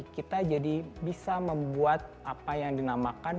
kita jadi bisa membuat apa yang dinamakan